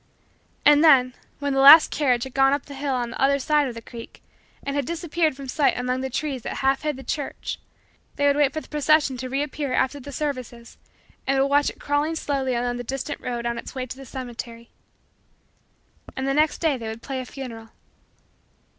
And then, when the last carriage had gone up the hill on the other side of the creek and had disappeared from sight among the trees that half hid the church, they would wait for the procession to reappear after the services and would watch it crawling slowly along the distant road on its way to the cemetery. And the next day they would play a funeral.